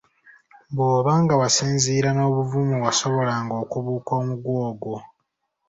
Bw'oba nga wasinziira n'obuvumu wasobolanga okubuuka omuguwa ogwo.